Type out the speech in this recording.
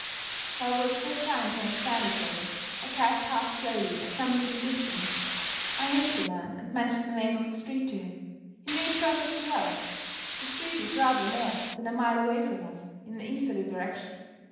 While we were still trying to understand each other, a cab passed slowly at some little distance. I hailed the man, and mentioned the name of the street to him. He knew it perfectly well. The street was rather more than a mile away from us, in an easterly direction.